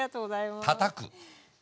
たたく？